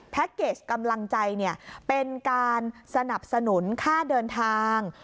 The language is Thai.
เกจกำลังใจเป็นการสนับสนุนค่าเดินทาง